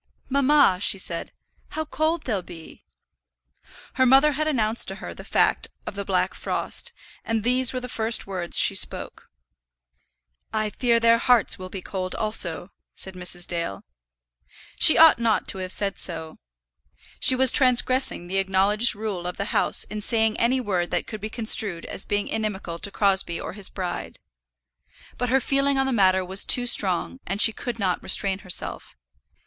"Mamma," she said, "how cold they'll be!" Her mother had announced to her the fact of the black frost, and these were the first words she spoke. "I fear their hearts will be cold also," said Mrs. Dale. She ought not to have said so. She was transgressing the acknowledged rule of the house in saying any word that could be construed as being inimical to Crosbie or his bride. But her feeling on the matter was too strong, and she could not restrain herself.